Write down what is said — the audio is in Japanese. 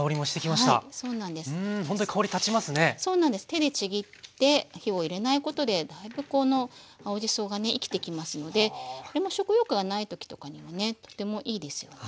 手でちぎって火を入れないことでだいぶこの青じそがね生きてきますので食欲がない時とかにはねとてもいいですよね。